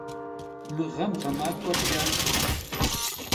Mı ğem ğemaxuer ç'aseş.